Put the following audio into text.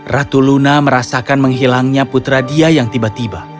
ratu luna merasakan menghilangnya putra dia yang tiba tiba